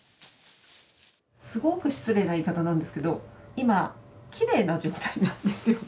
すごく失礼な言い方なんですけど今きれいな状態なんですよね？